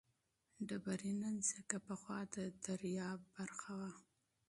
ډبرینه ځمکه پخوا د جهیل برخه وه.